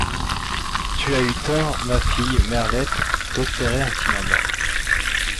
Tu as eu tort, mon fille Merlette, d'espérer ainsi ma mort.